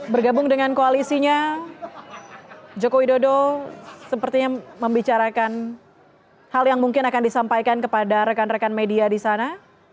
bergabung dengan koalisinya jokowi dodo sepertinya membicarakan hal yang mungkin akan disampaikan kepada rekan rekan media di sana